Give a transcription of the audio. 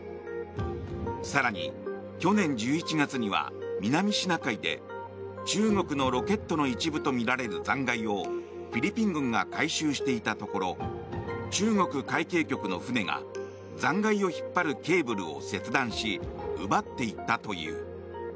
更に去年１１月には南シナ海で中国のロケットの一部とみられる残骸をフィリピン軍が回収していたところ中国海警局の船が残骸を引っ張るケーブルを切断し奪っていったという。